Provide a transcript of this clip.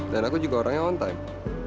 dan aku juga orang yang on time